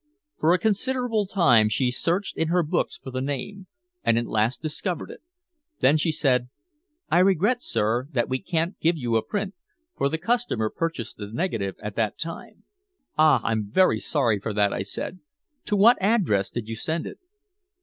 For a considerable time she searched in her books for the name, and at last discovered it. Then she said: "I regret, sir, that we can't give you a print, for the customer purchased the negative at the time." "Ah, I'm very sorry for that," I said. "To what address did you send it?"